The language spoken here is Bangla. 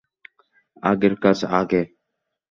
আগের কাজ আগে।